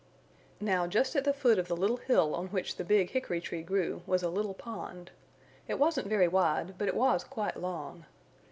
Now just at the foot of the little hill on which the big hickory tree grew was a little pond. It wasn't very wide but it was quite long.